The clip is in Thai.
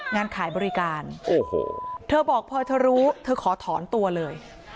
งานขายบริการโอ้โหเธอบอกพอเธอรู้เธอขอถอนตัวเลย